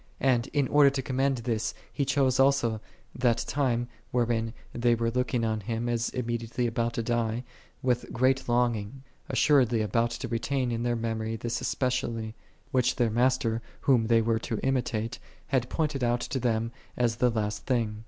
And in order to commend this He chose also that time, wherein they were looking on Him, as immediately about to die, with great longing ; assuredly about to retain in their memory this especially, which their Master, Whom they were to imitate, had pointed out to them as the last thing.